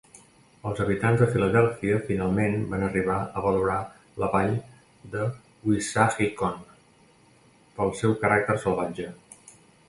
Els habitants de Filadèlfia finalment van arribar a valorar la vall de Wissahickon pel seu caràcter salvatge.